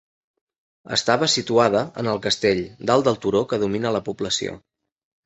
Estava situada en el castell, dalt del turó que domina la població.